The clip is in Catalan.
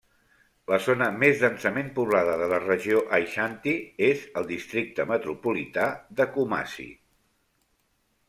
La zona més densament poblada de la regió Aixanti és el Districte Metropolità de Kumasi.